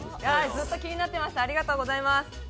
ずっと気になってました、ありがとうございます。